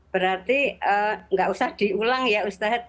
berarti enggak usah diulangkan